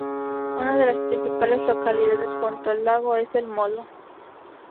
Una de las principales localidades junto al lago es El Molo.